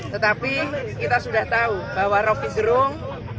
tetapi kita sudah tahu bahwa rocky gerung